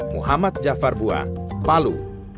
muhammad jafar bua palu